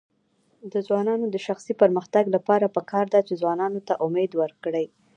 د ځوانانو د شخصي پرمختګ لپاره پکار ده چې ځوانانو ته امید ورکړي.